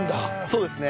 そうですね。